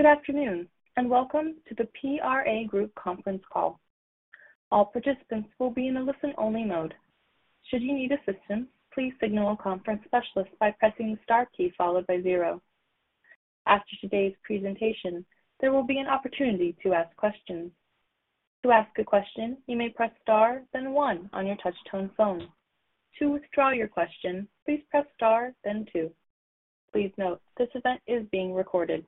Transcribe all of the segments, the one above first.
Good afternoon, and welcome to the PRA Group Conference Call. All participants will be in a listen-only mode. Should you need assistance, please signal a conference specialist by pressing star key followed by zero. After today's presentation, there will be an opportunity to ask questions. To ask a question, you may press Star then one on your touch tone phone. To withdraw your question, please press star then two. Please note, this event is being recorded.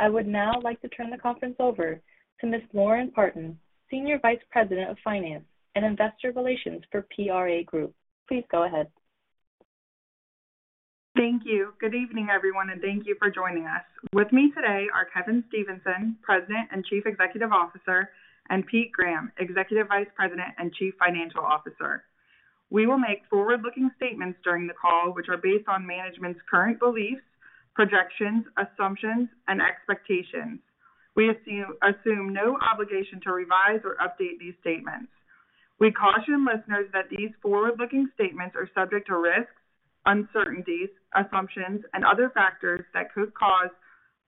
I would now like to turn the conference over to Ms. Lauren Partin, Senior Vice President of Finance and Investor Relations for PRA Group. Please go ahead. Thank you. Good evening, everyone, and thank you for joining us. With me today are Kevin Stevenson, President and Chief Executive Officer, and Pete Graham, Executive Vice President and Chief Financial Officer. We will make forward-looking statements during the call, which are based on management's current beliefs, projections, assumptions, and expectations. We assume no obligation to revise or update these statements. We caution listeners that these forward-looking statements are subject to risks, uncertainties, assumptions, and other factors that could cause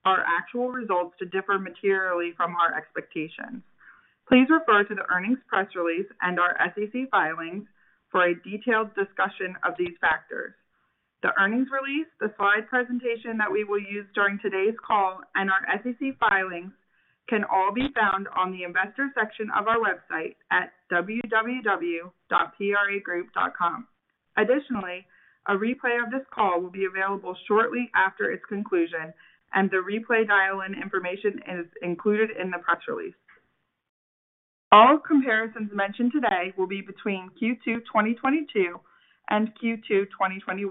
our actual results to differ materially from our expectations. Please refer to the earnings press release and our SEC filings for a detailed discussion of these factors. The earnings release, the slide presentation that we will use during today's call, and our SEC filings can all be found on the investor section of our website at www.pragroup.com. Additionally, a replay of this call will be available shortly after its conclusion, and the replay dial-in information is included in the press release. All comparisons mentioned today will be between Q2 2022 and Q2 2021,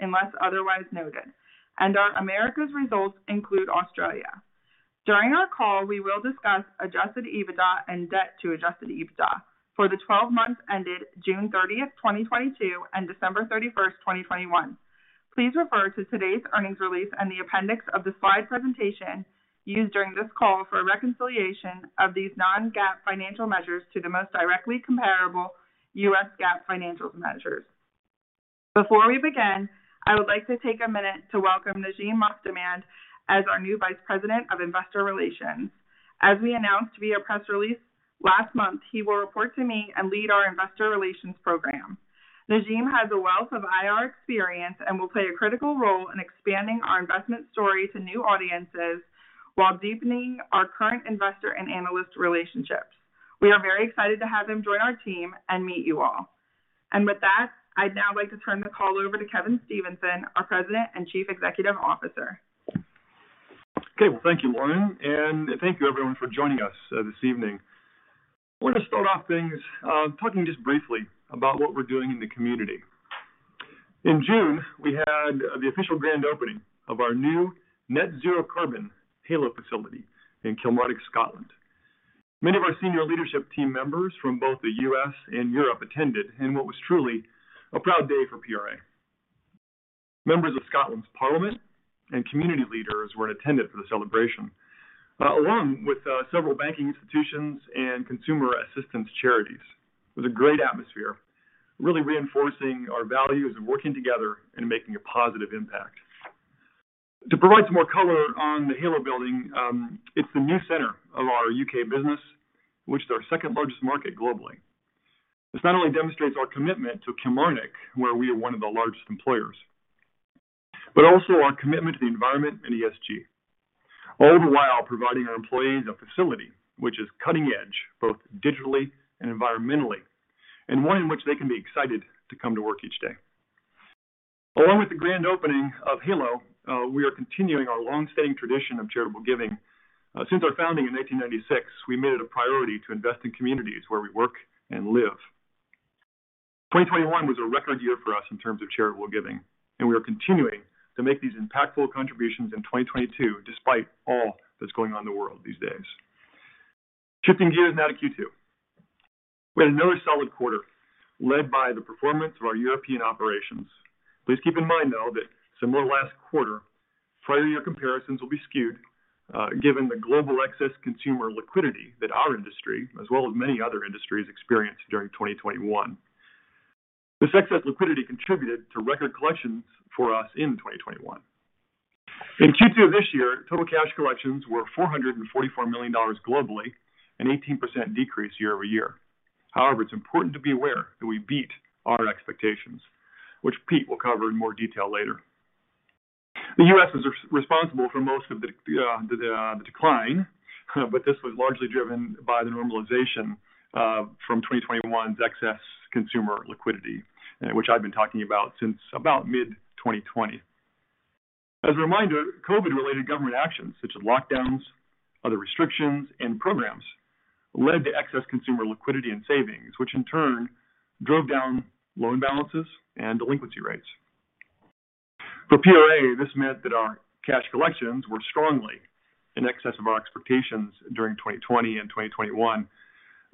unless otherwise noted, and our Americas' results include Australia. During our call, we will discuss adjusted EBITDA and debt to adjusted EBITDA for the twelve months ended June 30, 2022 and December 31, 2021. Please refer to today's earnings release and the appendix of the slide presentation used during this call for a reconciliation of these non-GAAP financial measures to the most directly comparable U.S. GAAP financial measures. Before we begin, I would like to take a minute to welcome Najim Mostamand as our new Vice President of Investor Relations. As we announced via press release last month, he will report to me and lead our investor relations program. Najim has a wealth of IR experience and will play a critical role in expanding our investment story to new audiences while deepening our current investor and analyst relationships. We are very excited to have him join our team and meet you all. With that, I'd now like to turn the call over to Kevin Stevenson, our President and Chief Executive Officer. Okay. Well, thank you, Lauren, and thank you everyone for joining us this evening. I want to start off things talking just briefly about what we're doing in the community. In June, we had the official grand opening of our new net-zero carbon Halo facility in Kilmarnock, Scotland. Many of our senior leadership team members from both the U.S. and Europe attended in what was truly a proud day for PRA. Members of the Scottish Parliament and community leaders were in attendance for the celebration along with several banking institutions and consumer assistance charities. It was a great atmosphere, really reinforcing our values of working together and making a positive impact. To provide some more color on the Halo building, it's the new center of our UK business, which is our second-largest market globally. This not only demonstrates our commitment to Kilmarnock, where we are one of the largest employers, but also our commitment to the environment and ESG. All the while providing our employees a facility which is cutting edge, both digitally and environmentally, and one in which they can be excited to come to work each day. Along with the grand opening of Halo, we are continuing our long-standing tradition of charitable giving. Since our founding in 1996, we made it a priority to invest in communities where we work and live. 2021 was a record year for us in terms of charitable giving, and we are continuing to make these impactful contributions in 2022 despite all that's going on in the world these days. Shifting gears now to Q2. We had another solid quarter led by the performance of our European operations. Please keep in mind, though, that similar last quarter, prior year comparisons will be skewed, given the global excess consumer liquidity that our industry, as well as many other industries, experienced during 2021. This excess liquidity contributed to record collections for us in 2021. In Q2 of this year, total cash collections were $444 million globally, an 18% decrease year-over-year. However, it's important to be aware that we beat our expectations, which Pete will cover in more detail later. The U.S. is responsible for most of the decline, but this was largely driven by the normalization from 2021's excess consumer liquidity, which I've been talking about since about mid-2020. As a reminder, COVID-related government actions such as lockdowns, other restrictions, and programs led to excess consumer liquidity and savings, which in turn drove down loan balances and delinquency rates. For PRA, this meant that our cash collections were strongly in excess of our expectations during 2020 and 2021,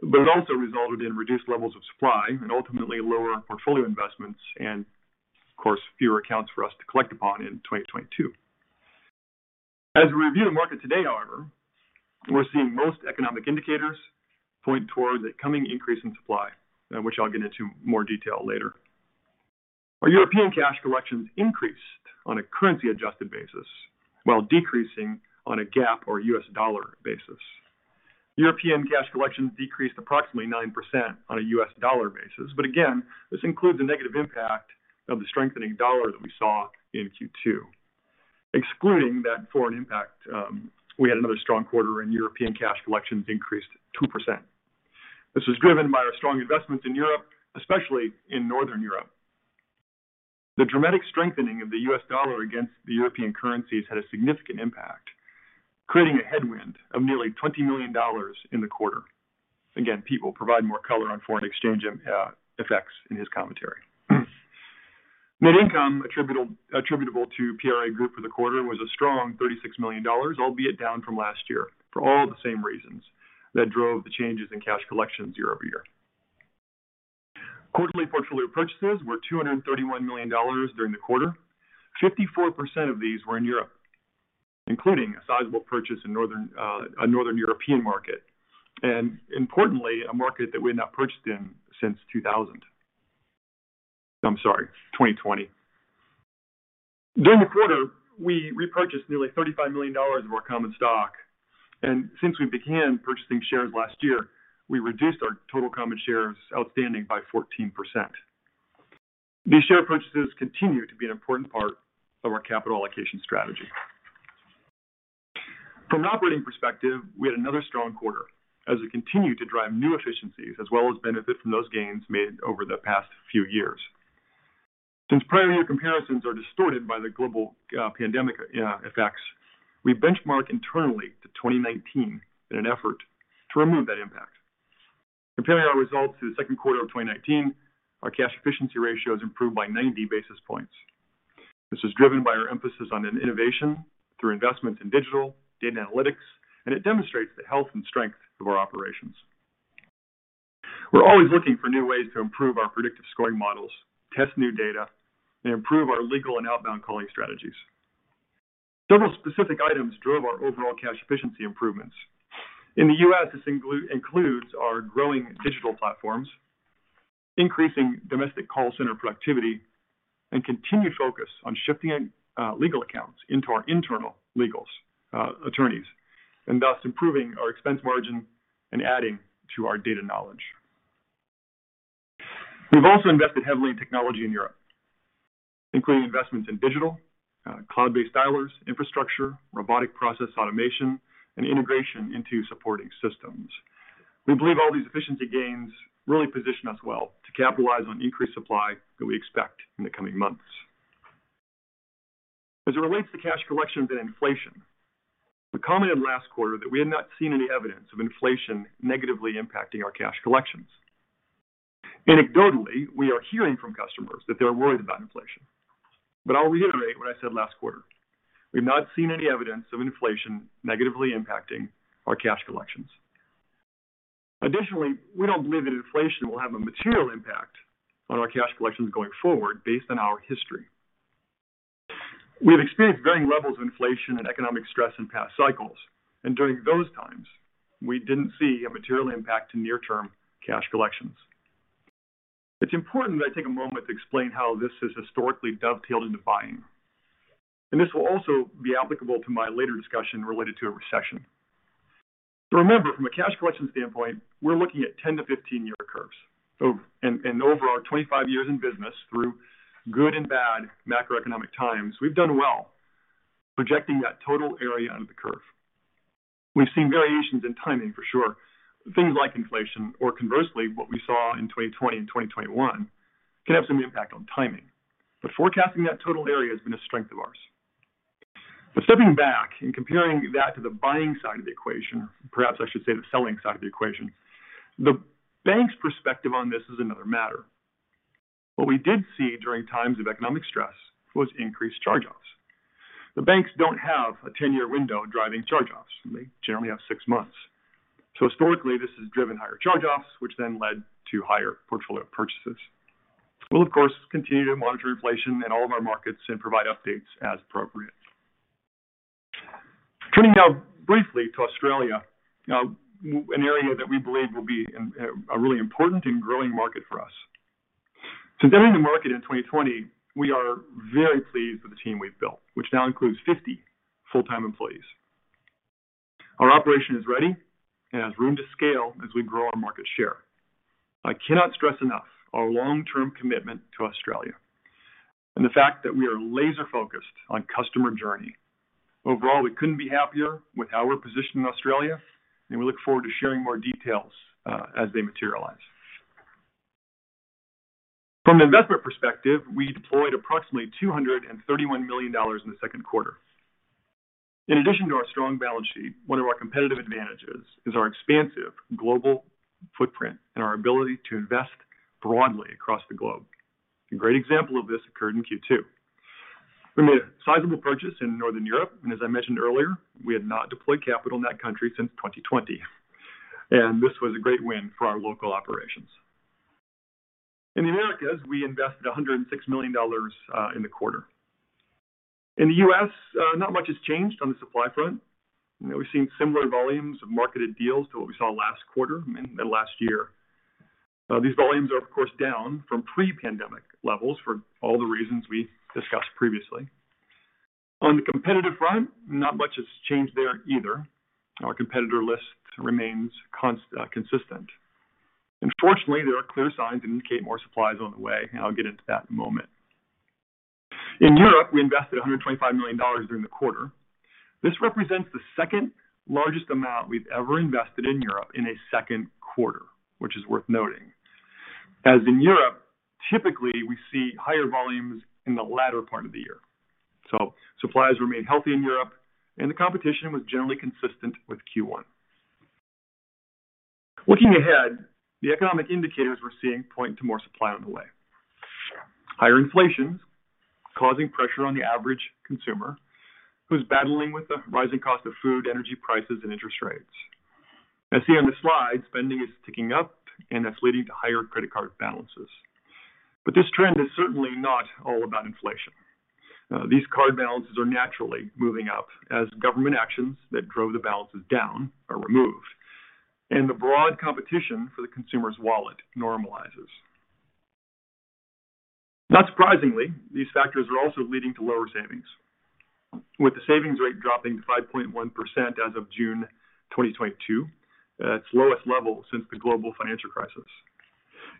but it also resulted in reduced levels of supply and ultimately lower portfolio investments and, of course, fewer accounts for us to collect upon in 2022. As we review the market today, however, we're seeing most economic indicators point towards a coming increase in supply, which I'll get into more detail later. Our European cash collections increased on a currency adjusted basis while decreasing on a U.S. GAAP or U.S. dollar basis. European cash collections decreased approximately 9% on a U.S. dollar basis. This includes the negative impact of the strengthening dollar that we saw in Q2. Excluding that foreign impact, we had another strong quarter and European cash collections increased 2%. This was driven by our strong investments in Europe, especially in Northern Europe. The dramatic strengthening of the US dollar against the European currencies had a significant impact, creating a headwind of nearly $20 million in the quarter. Again, Pete will provide more color on foreign exchange effects in his commentary. Net income attributable to PRA Group for the quarter was a strong $36 million, albeit down from last year for all the same reasons that drove the changes in cash collections year-over-year. Quarterly portfolio purchases were $231 million during the quarter. 54% of these were in Europe, including a sizable purchase in a Northern European market, and importantly, a market that we had not purchased in since 2000. I'm sorry, 2020. During the quarter, we repurchased nearly $35 million of our common stock, and since we began purchasing shares last year, we reduced our total common shares outstanding by 14%. These share purchases continue to be an important part of our capital allocation strategy. From an operating perspective, we had another strong quarter as we continued to drive new efficiencies as well as benefit from those gains made over the past few years. Since prior year comparisons are distorted by the global pandemic effects, we benchmark internally to 2019 in an effort to remove that impact. Comparing our results to theQ2 of 2019, our cash efficiency ratio has improved by 90 basis points. This is driven by our emphasis on innovation through investment in digital, data analytics, and it demonstrates the health and strength of our operations. We're always looking for new ways to improve our predictive scoring models, test new data, and improve our legal and outbound calling strategies. Several specific items drove our overall cash efficiency improvements. In the U.S., this includes our growing digital platforms, increasing domestic call center productivity, and continued focus on shifting legal accounts into our internal legal attorneys, and thus improving our expense margin and adding to our data knowledge. We've also invested heavily in technology in Europe, including investments in digital, cloud-based dialers, infrastructure, robotic process automation, and integration into supporting systems. We believe all these efficiency gains really position us well to capitalize on increased supply that we expect in the coming months. As it relates to cash collections and inflation, we commented last quarter that we had not seen any evidence of inflation negatively impacting our cash collections. Anecdotally, we are hearing from customers that they're worried about inflation. I'll reiterate what I said last quarter. We've not seen any evidence of inflation negatively impacting our cash collections. Additionally, we don't believe that inflation will have a material impact on our cash collections going forward based on our history. We have experienced varying levels of inflation and economic stress in past cycles, and during those times, we didn't see a material impact to near term cash collections. It's important that I take a moment to explain how this has historically dovetailed into buying, and this will also be applicable to my later discussion related to a recession. Remember, from a cash collection standpoint, we're looking at 10-15 year curves. Over our 25 years in business through good and bad macroeconomic times, we've done well projecting that total area under the curve. We've seen variations in timing for sure, things like inflation, or conversely, what we saw in 2020 and 2021 can have some impact on timing. Forecasting that total area has been a strength of ours. Stepping back and comparing that to the buying side of the equation, perhaps I should say the selling side of the equation, the bank's perspective on this is another matter. What we did see during times of economic stress was increased charge-offs. The banks don't have a 10-year window driving charge-offs. They generally have six months. Historically, this has driven higher charge-offs, which then led to higher portfolio purchases. We'll of course continue to monitor inflation in all of our markets and provide updates as appropriate. Turning now briefly to Australia, now an area that we believe will be a really important and growing market for us. Since entering the market in 2020, we are very pleased with the team we've built, which now includes 50 full-time employees. Our operation is ready and has room to scale as we grow our market share. I cannot stress enough our long-term commitment to Australia and the fact that we are laser-focused on customer journey. Overall, we couldn't be happier with how we're positioned in Australia, and we look forward to sharing more details as they materialize. From an investment perspective, we deployed approximately $231 million in theQ2. In addition to our strong balance sheet, one of our competitive advantages is our expansive global footprint and our ability to invest broadly across the globe. A great example of this occurred in Q2. We made a sizable purchase in Northern Europe, and as I mentioned earlier, we had not deployed capital in that country since 2020. This was a great win for our local operations. In the Americas, we invested $106 million in the quarter. In the US, not much has changed on the supply front. You know, we've seen similar volumes of marketed deals to what we saw last quarter and last year. These volumes are, of course, down from pre-pandemic levels for all the reasons we discussed previously. On the competitive front, not much has changed there either. Our competitor list remains consistent. Fortunately, there are clear signs that indicate more supply is on the way, and I'll get into that in a moment. In Europe, we invested $125 million during the quarter. This represents the second-largest amount we've ever invested in Europe in aQ2, which is worth noting. As in Europe, typically we see higher volumes in the latter part of the year. Supplies remained healthy in Europe, and the competition was generally consistent with Q1. Looking ahead, the economic indicators we're seeing point to more supply on the way. Higher inflation is causing pressure on the average consumer, who's battling with the rising cost of food, energy prices, and interest rates. As seen on this slide, spending is ticking up, and that's leading to higher credit card balances. This trend is certainly not all about inflation. These card balances are naturally moving up as government actions that drove the balances down are removed, and the broad competition for the consumer's wallet normalizes. Not surprisingly, these factors are also leading to lower savings, with the savings rate dropping to 5.1% as of June 2022. It's lowest level since the Global Financial Crisis.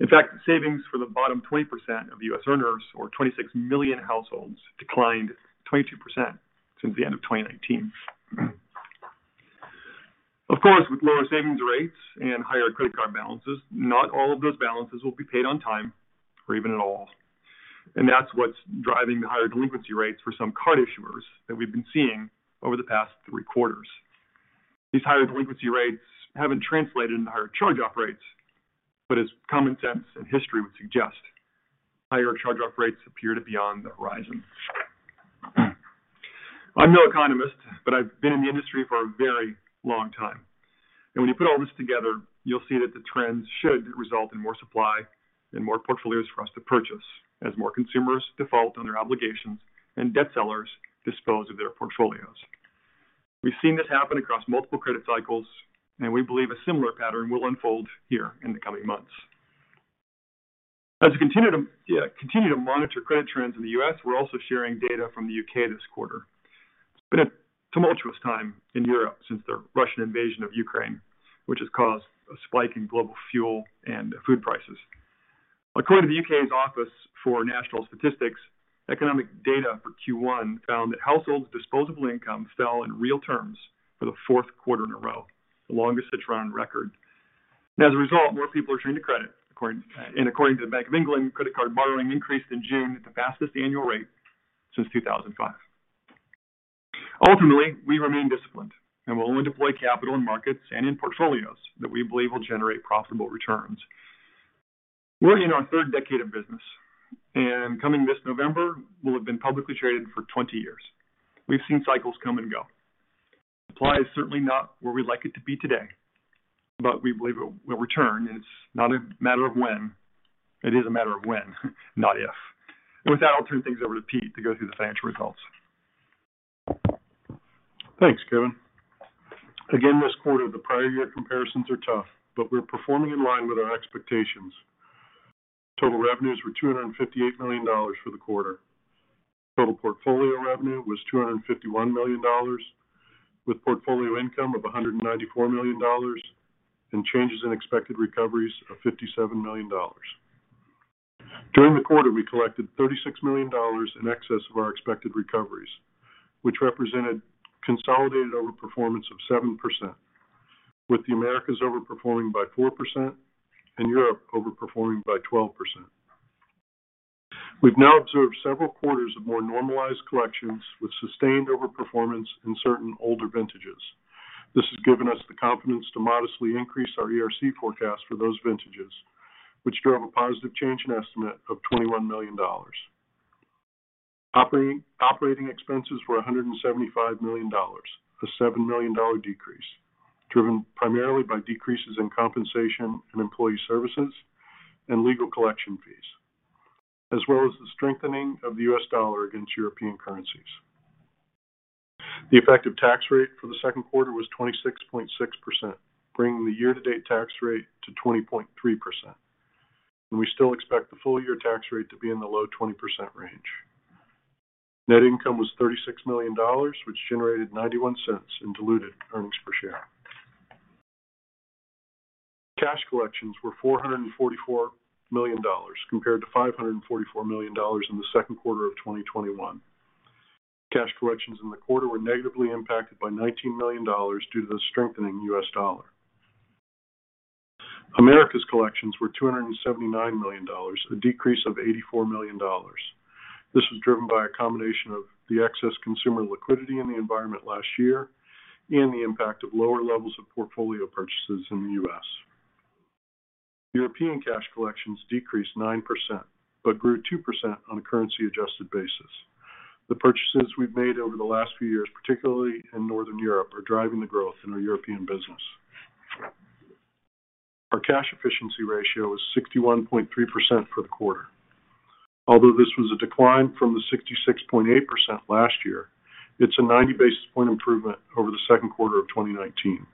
In fact, savings for the bottom 20% of U.S. earners, or 26 million households, declined 22% since the end of 2019. Of course, with lower savings rates and higher credit card balances, not all of those balances will be paid on time or even at all. That's what's driving the higher delinquency rates for some card issuers that we've been seeing over the past three quarters. These higher delinquency rates haven't translated into higher charge-off rates, but as common sense and history would suggest, higher charge-off rates appear to be on the horizon. I'm no economist, but I've been in the industry for a very long time. When you put all this together, you'll see that the trends should result in more supply and more portfolios for us to purchase as more consumers default on their obligations and debt sellers dispose of their portfolios. We've seen this happen across multiple credit cycles, and we believe a similar pattern will unfold here in the coming months. As we continue to monitor credit trends in the U.S., we're also sharing data from the U.K. this quarter. It's been a tumultuous time in Europe since the Russian invasion of Ukraine, which has caused a spike in global fuel and food prices. According to the UK's Office for National Statistics, economic data for Q1 found that households' disposable income fell in real terms for the Q4 in a row, the longest such run on record. As a result, more people are turning to credit, according to the Bank of England, credit card borrowing increased in June at the fastest annual rate since 2005. Ultimately, we remain disciplined and will only deploy capital in markets and in portfolios that we believe will generate profitable returns. We're in our third decade of business, and coming this November, we'll have been publicly traded for 20 years. We've seen cycles come and go. Supply is certainly not where we'd like it to be today, but we believe it will return. It's not a matter of when. It is a matter of when, not if. With that, I'll turn things over to Pete to go through the financial results. Thanks, Kevin. Again, this quarter, the prior year comparisons are tough, but we're performing in line with our expectations. Total revenues were $258 million for the quarter. Total portfolio revenue was $251 million, with portfolio income of $194 million, and changes in expected recoveries of $57 million. During the quarter, we collected $36 million in excess of our expected recoveries, which represented consolidated overperformance of 7%, with the Americas overperforming by 4% and Europe overperforming by 12%. We've now observed several quarters of more normalized collections with sustained overperformance in certain older vintages. This has given us the confidence to modestly increase our ERC forecast for those vintages, which drove a positive change in estimate of $21 million. Operating expenses were $175 million, a $7 million decrease driven primarily by decreases in compensation and employee services and legal collection fees, as well as the strengthening of the US dollar against European currencies. The effective tax rate for theQ2 was 26.6%, bringing the year-to-date tax rate to 20.3%. We still expect the full-year tax rate to be in the low 20% range. Net income was $36 million, which generated $0.91 in diluted earnings per share. Cash collections were $444 million, compared to $544 million in theQ2 of 2021. Cash collections in the quarter were negatively impacted by $19 million due to the strengthening US dollar. America's collections were $279 million, a decrease of $84 million. This was driven by a combination of the excess consumer liquidity in the environment last year and the impact of lower levels of portfolio purchases in the U.S. European cash collections decreased 9%, but grew 2% on a currency-adjusted basis. The purchases we've made over the last few years, particularly in Northern Europe, are driving the growth in our European business. Our cash efficiency ratio is 61.3% for the quarter. Although this was a decline from the 66.8% last year, it's a 90 basis points improvement over theQ2 of 2019.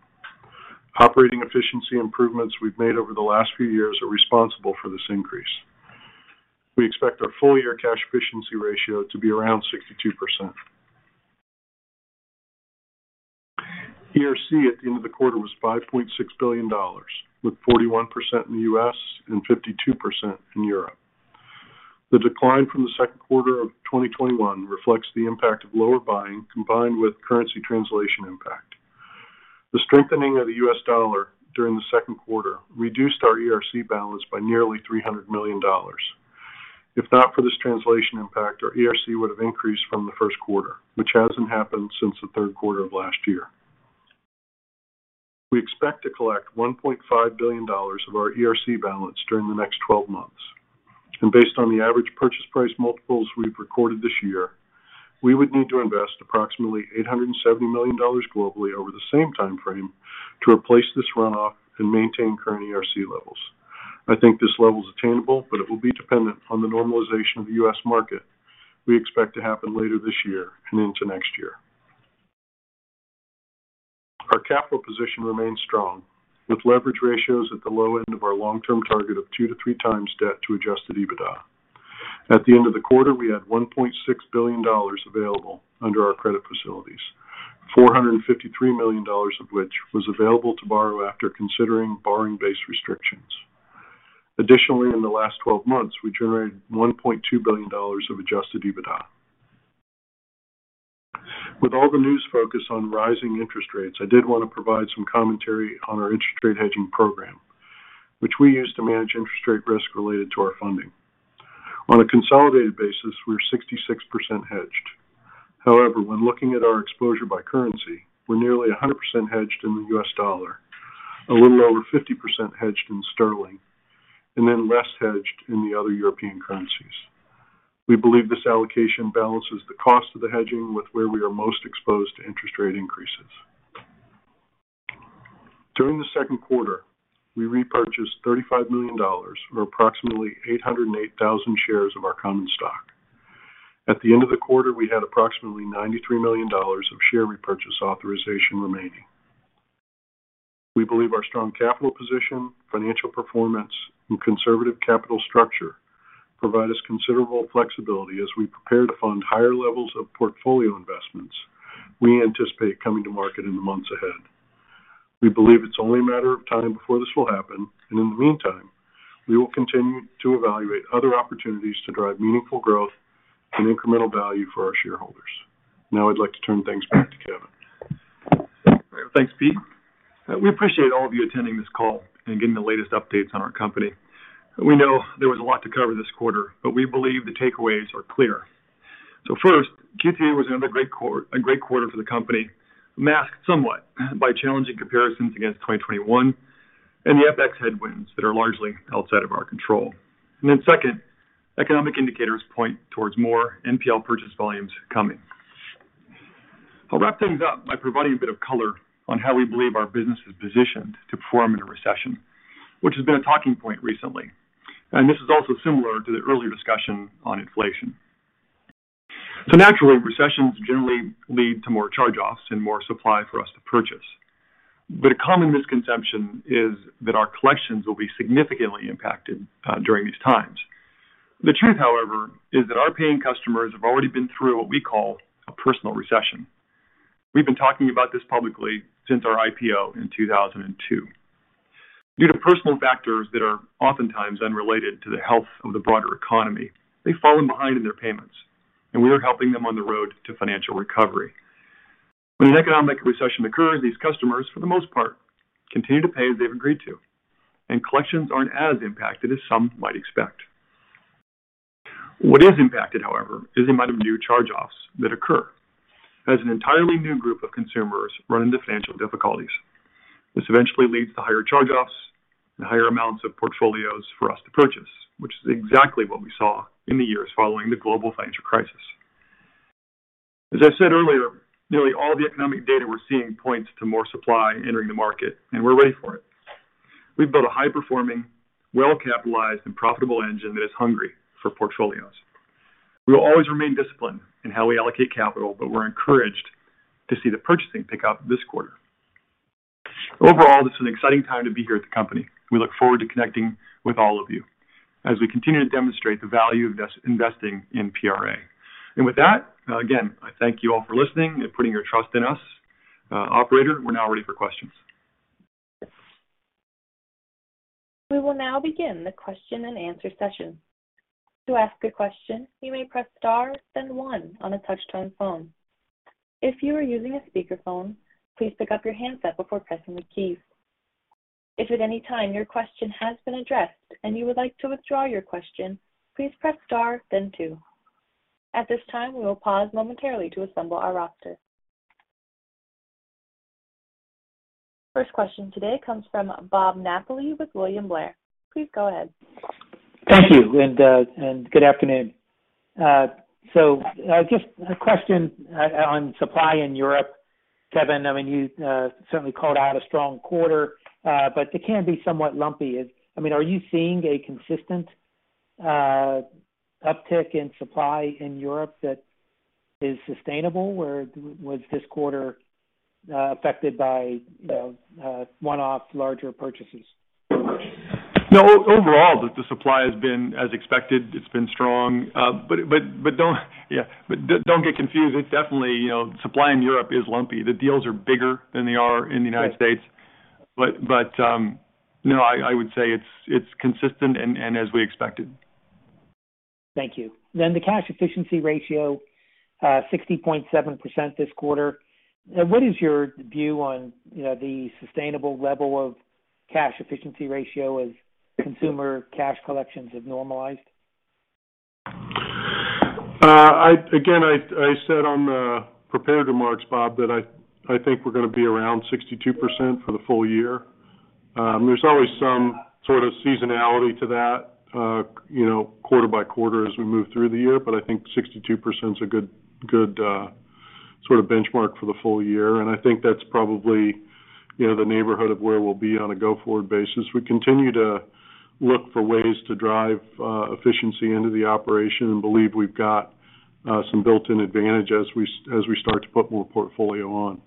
Operating efficiency improvements we've made over the last few years are responsible for this increase. We expect our full-year cash efficiency ratio to be around 62%. ERC at the end of the quarter was $5.6 billion, with 41% in the U.S. and 52% in Europe. The decline from the Q2 of 2021 reflects the impact of lower buying combined with currency translation impact. The strengthening of the US dollar during theQ2 reduced our ERC balance by nearly $300 million. If not for this translation impact, our ERC would have increased from the Q1, which hasn't happened since the Q3 of last year. We expect to collect $1.5 billion of our ERC balance during the next 12 months. Based on the average purchase price multiples we've recorded this year, we would need to invest approximately $870 million globally over the same timeframe to replace this runoff and maintain current ERC levels. I think this level is attainable, but it will be dependent on the normalization of the US market we expect to happen later this year and into next year. Our capital position remains strong, with leverage ratios at the low end of our long-term target of 2-3x debt to adjusted EBITDA. At the end of the quarter, we had $1.6 billion available under our credit facilities, $453 million of which was available to borrow after considering borrowing-based restrictions. Additionally, in the last 12 months, we generated $1.2 billion of adjusted EBITDA. With all the news focus on rising interest rates, I did want to provide some commentary on our interest rate hedging program, which we use to manage interest rate risk related to our funding. On a consolidated basis, we're 66% hedged. However, when looking at our exposure by currency, we're nearly 100% hedged in the US dollar, a little over 50% hedged in sterling, and then less hedged in the other European currencies. We believe this allocation balances the cost of the hedging with where we are most exposed to interest rate increases. During theQ2, we repurchased $35 million or approximately 808,000 shares of our common stock. At the end of the quarter, we had approximately $93 million of share repurchase authorization remaining. We believe our strong capital position, financial performance, and conservative capital structure provide us considerable flexibility as we prepare to fund higher levels of portfolio investments we anticipate coming to market in the months ahead. We believe it's only a matter of time before this will happen, and in the meantime, we will continue to evaluate other opportunities to drive meaningful growth and incremental value for our shareholders. Now I'd like to turn things back to Kevin. Thanks, Pete. We appreciate all of you attending this call and getting the latest updates on our company. We know there was a lot to cover this quarter, but we believe the takeaways are clear. First, Q2 was another great quarter for the company, masked somewhat by challenging comparisons against 2021 and the FX headwinds that are largely outside of our control. Second, economic indicators point towards more NPL purchase volumes coming. I'll wrap things up by providing a bit of color on how we believe our business is positioned to perform in a recession, which has been a talking point recently. This is also similar to the earlier discussion on inflation. Naturally, recessions generally lead to more charge-offs and more supply for us to purchase. A common misconception is that our collections will be significantly impacted during these times. The truth, however, is that our paying customers have already been through what we call a personal recession. We've been talking about this publicly since our IPO in 2002. Due to personal factors that are oftentimes unrelated to the health of the broader economy, they've fallen behind in their payments, and we are helping them on the road to financial recovery. When an economic recession occurs, these customers, for the most part, continue to pay as they've agreed to, and collections aren't as impacted as some might expect. What is impacted, however, is the amount of new charge-offs that occur as an entirely new group of consumers run into financial difficulties. This eventually leads to higher charge-offs and higher amounts of portfolios for us to purchase, which is exactly what we saw in the years following the Global Financial Crisis. As I said earlier, nearly all the economic data we're seeing points to more supply entering the market, and we're ready for it. We've built a high-performing, well-capitalized, and profitable engine that is hungry for portfolios. We will always remain disciplined in how we allocate capital, but we're encouraged to see the purchasing pick up this quarter. Overall, this is an exciting time to be here at the company. We look forward to connecting with all of you as we continue to demonstrate the value of investing in PRA. With that, again, I thank you all for listening and putting your trust in us. Operator, we're now ready for questions. We will now begin the question and answer session. To ask a question, you may press star then one on a touch-tone phone. If you are using a speakerphone, please pick up your handset before pressing the keys. If at any time your question has been addressed and you would like to withdraw your question, please press star then two. At this time, we will pause momentarily to assemble our roster. First question today comes from Bob Napoli with William Blair. Please go ahead. Thank you. Good afternoon. Just a question on supply in Europe, Kevin. I mean, you certainly called out a strong quarter, but it can be somewhat lumpy. I mean, are you seeing a consistent uptick in supply in Europe that is sustainable, or was this quarter affected by, you know, one-off larger purchases? No. Overall, the supply has been as expected. It's been strong. Yeah, but don't get confused. It definitely, you know, supply in Europe is lumpy. The deals are bigger than they are in the United States. No, I would say it's consistent and as we expected. Thank you. The cash efficiency ratio, 60.7% this quarter. What is your view on, you know, the sustainable level of cash efficiency ratio as consumer cash collections have normalized? Again, I said on the prepared remarks, Bob, that I think we're gonna be around 62% for the full year. There's always some sort of seasonality to that, you know, quarter by quarter as we move through the year, but I think 62%'s a good sort of benchmark for the full year. I think that's probably, you know, the neighborhood of where we'll be on a go-forward basis. We continue to look for ways to drive efficiency into the operation and believe we've got some built-in advantage as we start to put more portfolio on.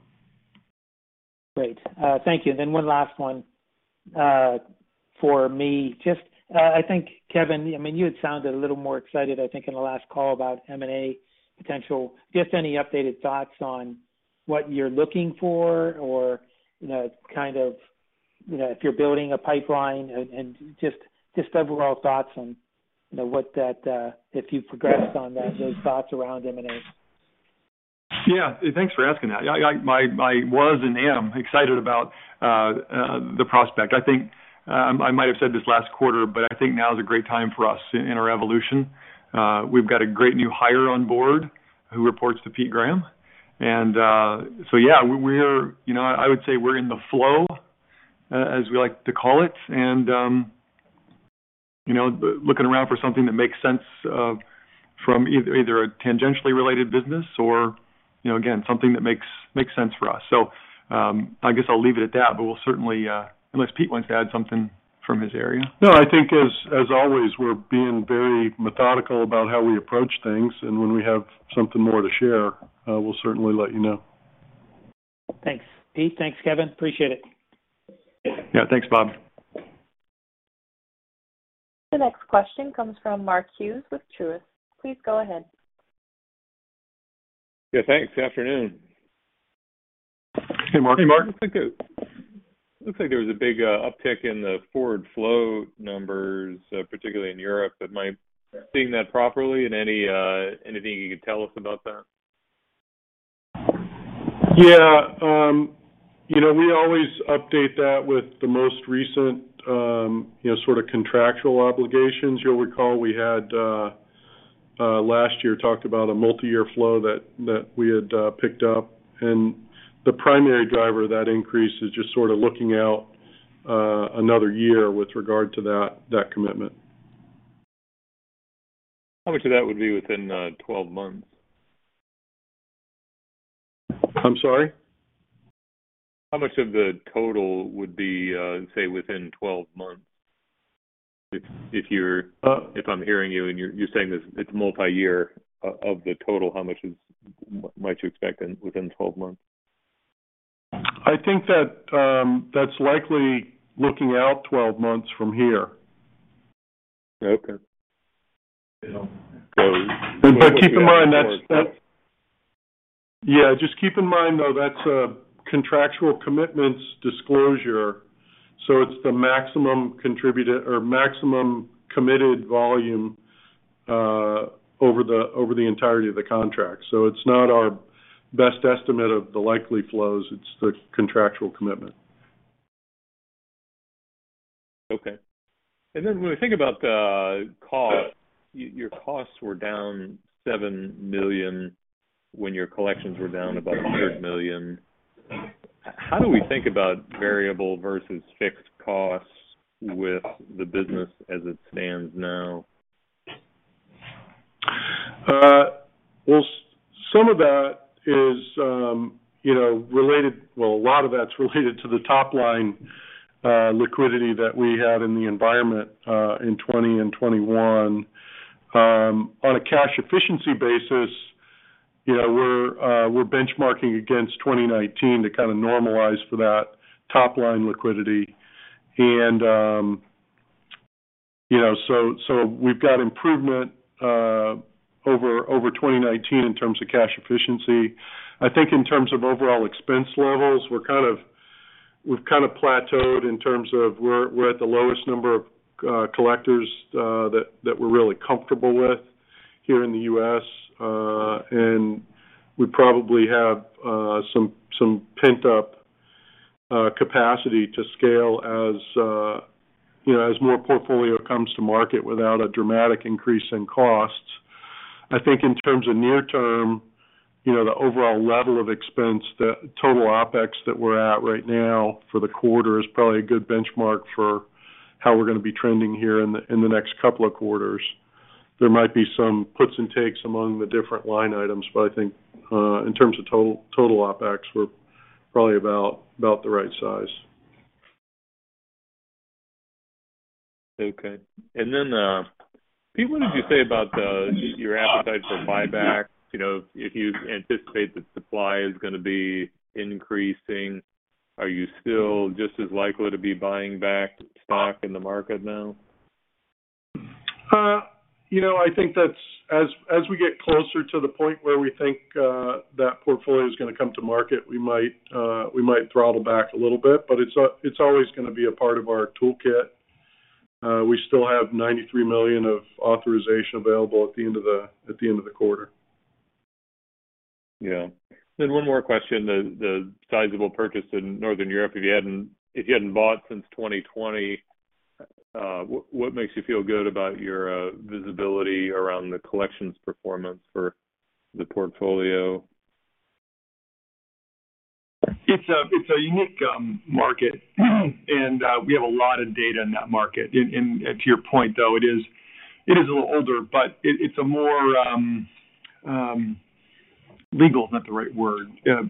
Great. Thank you. One last one for me. Just, I think, Kevin, I mean, you had sounded a little more excited, I think, in the last call about M&A potential. Just any updated thoughts on what you're looking for or, you know, kind of, you know, if you're building a pipeline and just overall thoughts on, you know, what that, if you've progressed on that, those thoughts around M&A. Yeah. Thanks for asking that. I was and am excited about the prospect. I think I might have said this last quarter, but I think now is a great time for us in our evolution. We've got a great new hire on board who reports to Pete Graham. We're, you know, I would say we're in the flow, as we like to call it, and, you know, looking around for something that makes sense, from either a tangentially related business or, you know, again, something that makes sense for us. I guess I'll leave it at that, but we'll certainly unless Pete wants to add something from his area. No, I think as always, we're being very methodical about how we approach things, and when we have something more to share, we'll certainly let you know. Thanks, Pete. Thanks, Kevin. Appreciate it. Yeah. Thanks, Bob. The next question comes from Mark Hughes with Truist. Please go ahead. Yeah, thanks. Afternoon. Hey, Mark. Hey, Mark. Looks like there was a big uptick in the forward flow numbers, particularly in Europe. Am I seeing that properly? Anything you could tell us about that? Yeah. You know, we always update that with the most recent, you know, sort of contractual obligations. You'll recall we had last year talked about a multi-year flow that we had picked up, and the primary driver of that increase is just sort of looking out another year with regard to that commitment. How much of that would be within 12 months? I'm sorry? How much of the total would be, say, within 12 months? If you're- Oh. If I'm hearing you and you're saying this, it's multi-year. Of the total, how much might you expect within 12 months? I think that's likely looking out 12 months from here. Okay. Keep in mind, though, that's a contractual commitments disclosure. It's the maximum contributor or maximum committed volume over the entirety of the contract. It's not our best estimate of the likely flows. It's the contractual commitment. Okay. When we think about the cost, your costs were down $7 million when your collections were down about $100 million. How do we think about variable versus fixed costs with the business as it stands now? Well, some of that is, you know, related, well, a lot of that's related to the top-line liquidity that we had in the environment in 2020 and 2021. On a cash efficiency basis, you know, we're benchmarking against 2019 to kind of normalize for that top-line liquidity. You know, so we've got improvement over 2019 in terms of cash efficiency. I think in terms of overall expense levels, we've kind of plateaued in terms of we're at the lowest number of collectors that we're really comfortable with here in the U.S. We probably have some pent-up capacity to scale as you know as more portfolio comes to market without a dramatic increase in costs. I think in terms of near-term, you know, the overall level of expense, the total OpEx that we're at right now for the quarter is probably a good benchmark for how we're gonna be trending here in the next couple of quarters. There might be some puts and takes among the different line items, but I think in terms of total OpEx, we're probably about the right size. Okay. Pete, what did you say about your appetite for buyback? You know, if you anticipate that supply is gonna be increasing, are you still just as likely to be buying back stock in the market now? You know, I think that's as we get closer to the point where we think that portfolio is gonna come to market, we might throttle back a little bit, but it's always gonna be a part of our toolkit. We still have $93 million of authorization available at the end of the quarter. Yeah. One more question. The sizable purchase in Northern Europe, if you hadn't bought since 2020, what makes you feel good about your visibility around the collections performance for the portfolio? It's a unique market, and we have a lot of data in that market. To your point, though, it is a little older, but it's a more. Legal is not the right word. The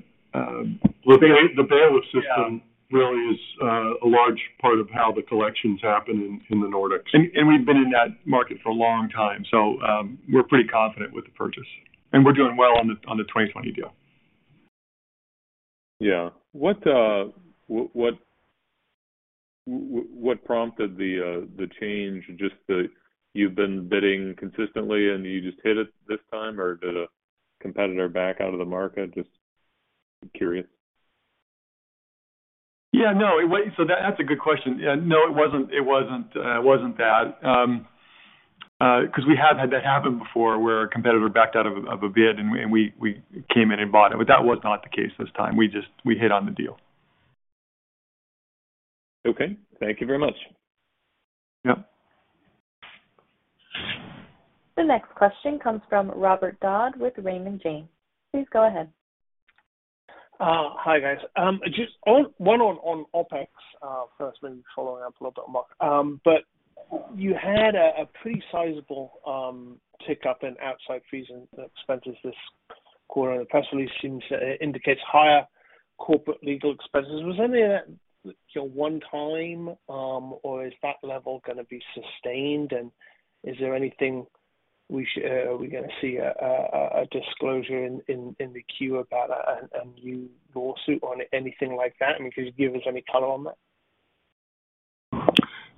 bailiff system. Yeah really is a large part of how the collections happen in the Nordics. We've been in that market for a long time, so we're pretty confident with the purchase. We're doing well on the 2020 deal. Yeah. What prompted the change? Just that you've been bidding consistently, and you just hit it this time, or did a competitor back out of the market? Just curious. Yeah, no. That's a good question. No, it wasn't that. 'Cause we have had that happen before, where a competitor backed out of a bid, and we came in and bought it. That was not the case this time. We hit on the deal. Okay. Thank you very much. Yep. The next question comes from Robert Dodd with Raymond James. Please go ahead. Hi, guys. Just on OpEx, firstly following up a little bit on Mark. But you had a pretty sizable tick-up in outside fees and expenses this quarter. It personally seems it indicates higher corporate legal expenses. Was any of that, you know, one time, or is that level gonna be sustained? And is there anything? Are we gonna see a disclosure in the 10-Q about a new lawsuit on anything like that? I mean, could you give us any color on that?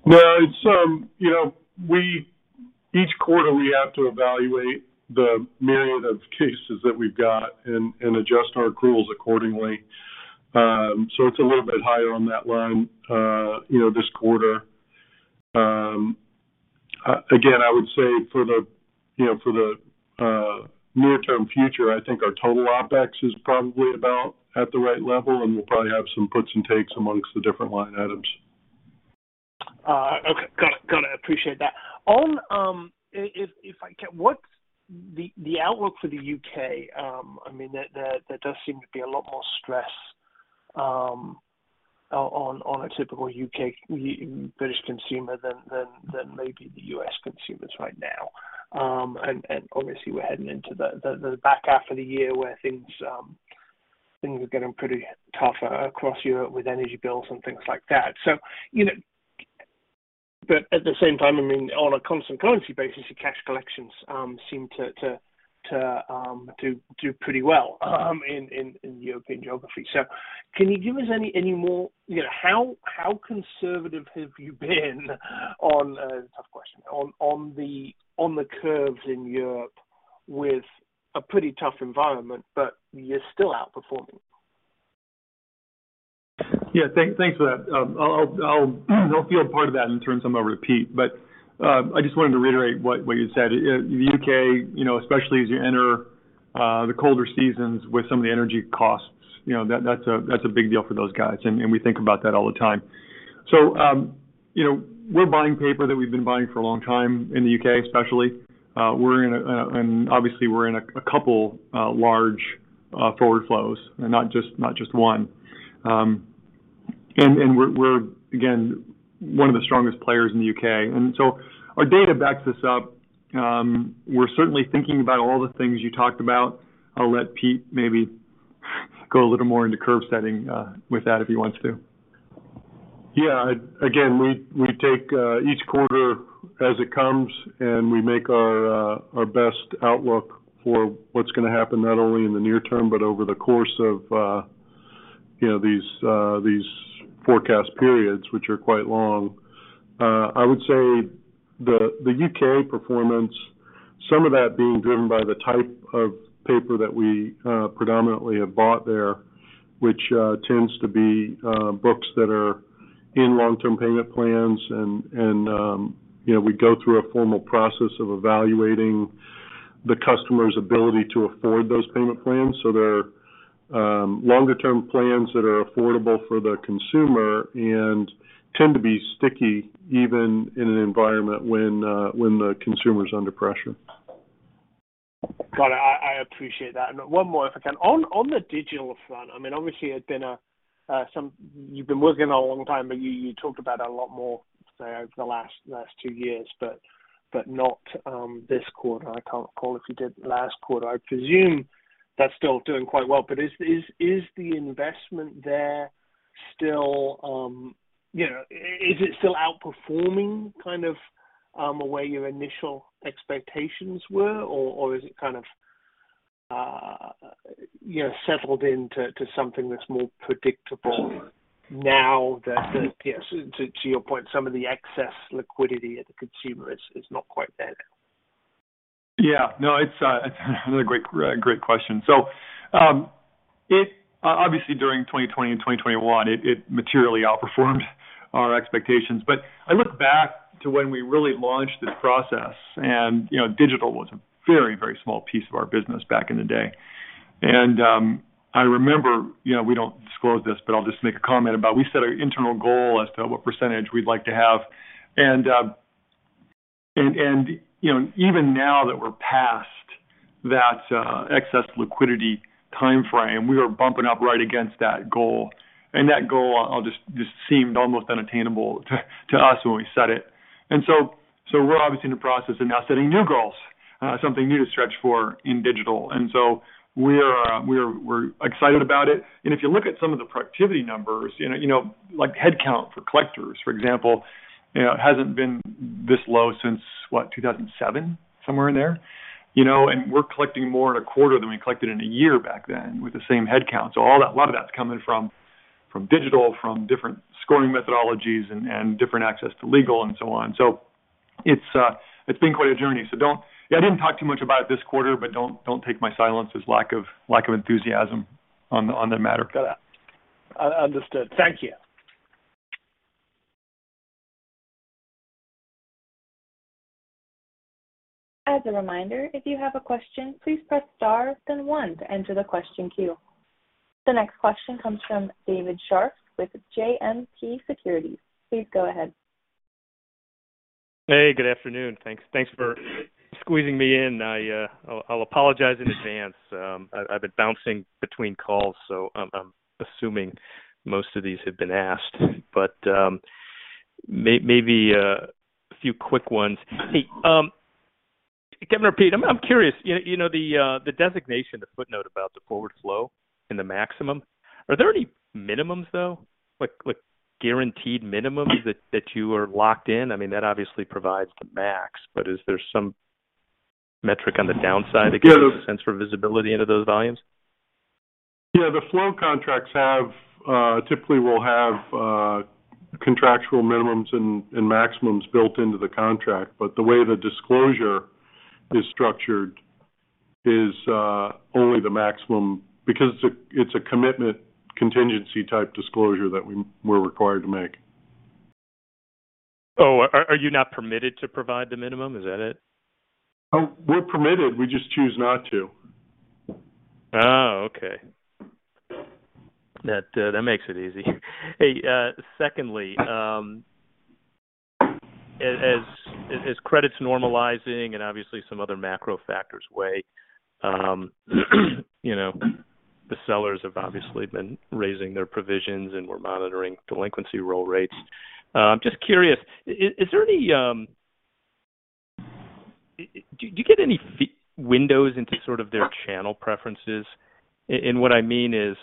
No. It's, you know, each quarter we have to evaluate the myriad of cases that we've got and adjust our accruals accordingly. It's a little bit higher on that line, you know, this quarter. Again, I would say for the near-term future, I think our total OpEx is probably about at the right level, and we'll probably have some puts and takes amongst the different line items. Okay. Got it. Appreciate that. On—if I can, what's the outlook for the U.K.? I mean, there does seem to be a lot more stress on a typical U.K. British consumer than maybe the U.S. consumers right now. Obviously we're heading into the back half of the year where things are getting pretty tougher across Europe with energy bills and things like that. You know, at the same time, I mean, on a constant currency basis, your cash collections seem to do pretty well in European geography. Can you give us any more? You know, how conservative have you been on tough question, on the curves in Europe with a pretty tough environment, but you're still outperforming? Yeah. Thanks for that. I'll field part of that in terms of my repeat. I just wanted to reiterate what you said. U.K., you know, especially as you enter the colder seasons with some of the energy costs, you know, that's a big deal for those guys, and we think about that all the time. You know, we're buying paper that we've been buying for a long time in the U.K., especially. Obviously we're in a couple large forward flows and not just one. And we're again one of the strongest players in the U.K. Our data backs this up. We're certainly thinking about all the things you talked about. I'll let Pete maybe go a little more into curve setting with that if he wants to. Yeah. Again, we take each quarter as it comes, and we make our best outlook for what's gonna happen, not only in the near term, but over the course of you know these forecast periods, which are quite long. I would say the UK performance, some of that being driven by the type of paper that we predominantly have bought there, which tends to be books that are in long-term payment plans and you know we go through a formal process of evaluating the customer's ability to afford those payment plans. So they're Longer term plans that are affordable for the consumer and tend to be sticky even in an environment when the consumer is under pressure. Got it. I appreciate that. One more if I can. On the digital front, I mean, obviously it's been something you've been working on a long time, but you talked about a lot more, say, over the last two years, but not this quarter. I can't recall if you did last quarter. I presume that's still doing quite well. Is the investment there still, you know, is it still outperforming kind of the way your initial expectations were? Or is it kind of, you know, settled into something that's more predictable now? Yes, to your point, some of the excess liquidity at the consumer is not quite there now. It's a great question. Obviously during 2020 and 2021, it materially outperformed our expectations. I look back to when we really launched this process, and you know, digital was a very, very small piece of our business back in the day. I remember, you know, we don't disclose this, but I'll just make a comment about we set our internal goal as to what percentage we'd like to have. You know, even now that we're past that excess liquidity timeframe, we are bumping up right against that goal. That goal just seemed almost unattainable to us when we set it. We're obviously in the process of now setting new goals, something new to stretch for in digital. We're excited about it. If you look at some of the productivity numbers, you know, like headcount for collectors, for example, you know, it hasn't been this low since, what, 2007, somewhere in there. You know, we're collecting more in a quarter than we collected in a year back then with the same headcount. All that, a lot of that's coming from digital, from different scoring methodologies and different access to legal and so on. It's been quite a journey. Don't. Yeah, I didn't talk too much about it this quarter, but don't take my silence as lack of enthusiasm on the matter. Got it. Understood. Thank you. As a reminder, if you have a question, please press star then one to enter the question queue. The next question comes from David Scharf with JMP Securities. Please go ahead. Hey, good afternoon. Thanks for squeezing me in. I'll apologize in advance. I've been bouncing between calls, so I'm assuming most of these have been asked. A few quick ones. Hey, Pete Graham, I'm curious. You know, the designation, the footnote about the forward flow and the maximum, are there any minimums, though, like guaranteed minimums that you are locked in? I mean, that obviously provides the max. Is there some metric on the downside that gives a sense for visibility into those volumes? Yeah. The flow contracts typically will have contractual minimums and maximums built into the contract. The way the disclosure is structured is only the maximum because it's a commitment contingency type disclosure that we're required to make. Oh, are you not permitted to provide the minimum? Is that it? We're permitted. We just choose not to. Oh, okay. That makes it easy. Hey, secondly, as credit's normalizing and obviously some other macro factors weigh, you know, the sellers have obviously been raising their provisions and we're monitoring delinquency roll rates. Just curious, is there any windows into sort of their channel preferences? And what I mean is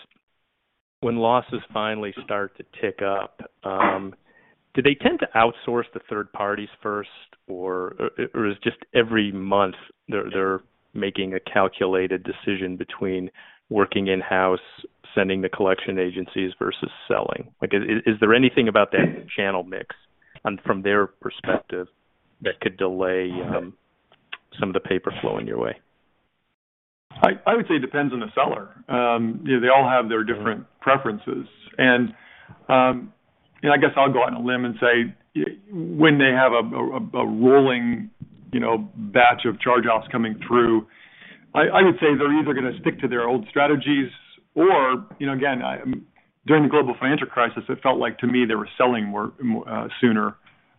when losses finally start to tick up, do they tend to outsource to third parties first or is just every month they're making a calculated decision between working in-house, sending to collection agencies versus selling? Like, is there anything about that channel mix and from their perspective that could delay some of the paper flowing your way? I would say it depends on the seller. You know, they all have their different preferences. I guess I'll go out on a limb and say, when they have a rolling, you know, batch of charge-offs coming through, I would say they're either gonna stick to their old strategies or, you know, again, during the Global Financial Crisis, it felt like to me they were selling more sooner.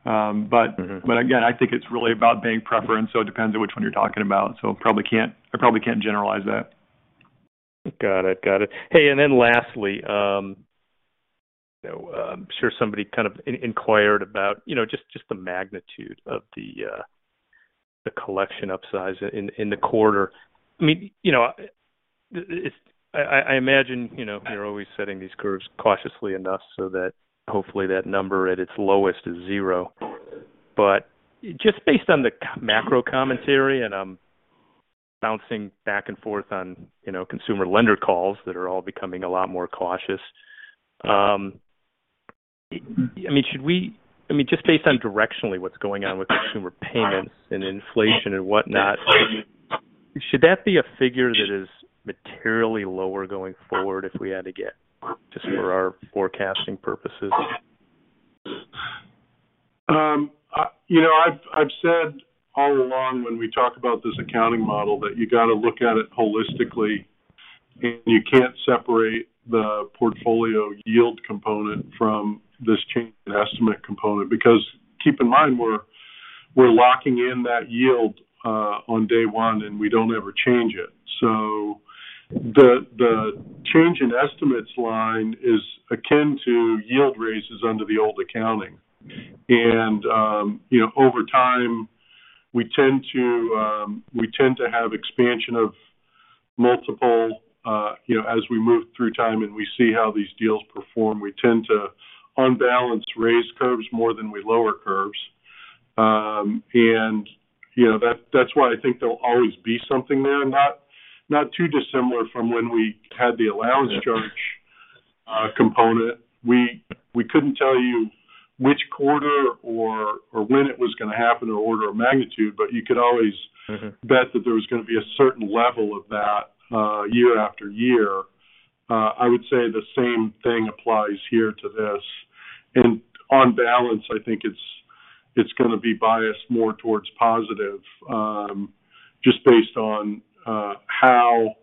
Mm-hmm. Again, I think it's really about bank preference, so it depends on which one you're talking about. I probably can't generalize that. Got it. Hey, lastly, you know, I'm sure somebody kind of inquired about, you know, just the magnitude of the collections upside in the quarter. I mean, you know, I imagine, you know, you're always setting these curves cautiously enough so that hopefully that number at its lowest is zero. Just based on the macro commentary, and I'm bouncing back and forth on, you know, consumer lender calls that are all becoming a lot more cautious. I mean, just based on directionally what's going on with consumer payments and inflation and whatnot, should that be a figure that is materially lower going forward if we had to get just for our forecasting purposes? You know, I've said all along when we talk about this accounting model that you gotta look at it holistically, and you can't separate the portfolio yield component from this change in estimate component. Because keep in mind, we're locking in that yield on day one, and we don't ever change it. So the change in estimates line is akin to yield raises under the old accounting. You know, over time, we tend to have expansion of multiples. You know, as we move through time and we see how these deals perform, we tend to, on balance, raise curves more than we lower curves. And, you know, that's why I think there'll always be something there. Not too dissimilar from when we had the allowance charge component. We couldn't tell you which quarter or when it was gonna happen or order of magnitude, but you could always- Mm-hmm. I bet that there was gonna be a certain level of that year after year. I would say the same thing applies here to this. On balance, I think it's gonna be biased more towards positive just based on how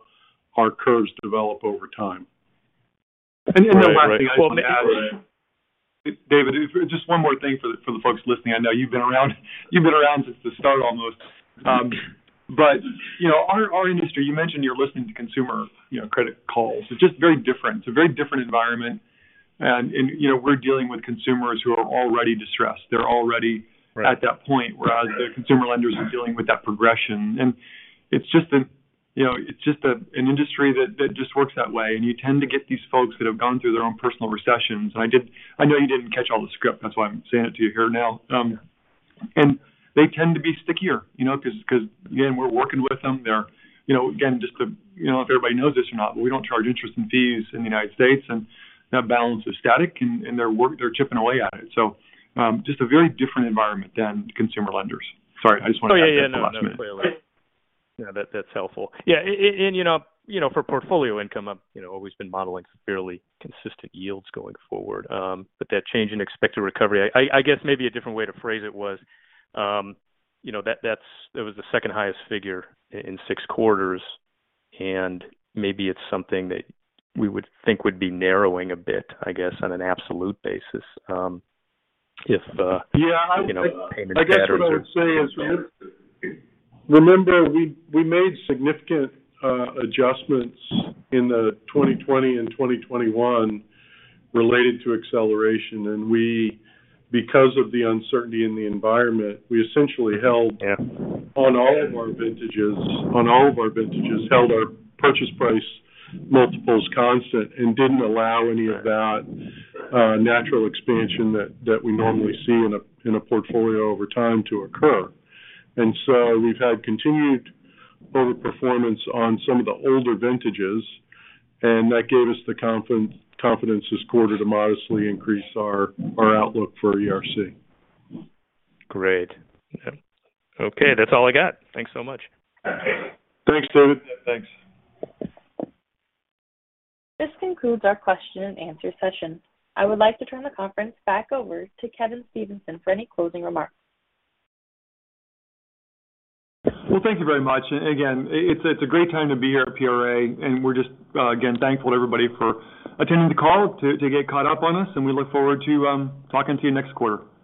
our curves develop over time. Right. Right. Last thing I just want to add. David, just one more thing for the folks listening. I know you've been around since the start almost. You know, our industry, you mentioned you're listening to consumer, you know, credit calls. It's just very different. It's a very different environment and, you know, we're dealing with consumers who are already distressed. They're already Right. At that point, whereas the consumer lenders are dealing with that progression. It's just a, you know, it's just an industry that just works that way. You tend to get these folks that have gone through their own personal recessions. I know you didn't catch all the script, that's why I'm saying it to you here now. They tend to be stickier, you know, 'cause again, we're working with them. They're, you know, again, just to, you know, if everybody knows this or not, but we don't charge interest and fees in the United States, and that balance is static and they're chipping away at it. Just a very different environment than consumer lenders. Sorry, I just wanted to add that last point. Yeah, no, totally. Yeah. That's helpful. Yeah. You know, for portfolio income, I'm you know always been modeling fairly consistent yields going forward. But that change in expected recovery, I guess maybe a different way to phrase it was, you know, it was the second highest figure in six quarters, and maybe it's something that we would think would be narrowing a bit, I guess, on an absolute basis, if Yeah. You know, payments patterns are. I guess what I'd say is remember, we made significant adjustments in 2020 and 2021 related to acceleration. Because of the uncertainty in the environment, we essentially held- Yeah. On all of our vintages, held our purchase price multiples constant and didn't allow any of that natural expansion that we normally see in a portfolio over time to occur. We've had continued overperformance on some of the older vintages, and that gave us the confidence this quarter to modestly increase our outlook for ERC. Great. Yeah. Okay, that's all I got. Thanks so much. Thanks, David. Yeah, thanks. This concludes our question and answer session. I would like to turn the conference back over to Kevin Stevenson for any closing remarks. Well, thank you very much. Again, it's a great time to be here at PRA, and we're just again thankful to everybody for attending the call to get caught up on us, and we look forward to talking to you next quarter. Thank you.